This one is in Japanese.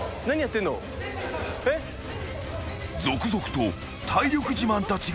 ［続々と体力自慢たちが集結］